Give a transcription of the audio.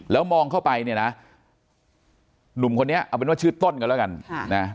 แล้วมองเข้าไปเนี่ยนะหนุ่มคนนี้เอาเป็นว่าชื่อต้นกันแล้วกัน